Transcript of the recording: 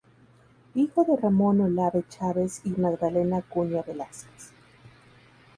Hijo de Ramón Olave Chávez y Magdalena Acuña Velásquez.